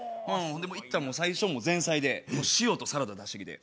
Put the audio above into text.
行ったら最初前菜で塩とサラダ出してきて。